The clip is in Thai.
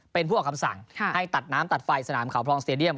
เป็นผู้ออกคำสั่งให้ตัดน้ำตัดไฟสนามเขาพลองสเตดียม